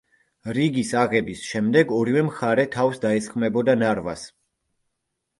რიგის აღების შემდეგ ორივე მხარე თავს დაესხმებოდა ნარვას.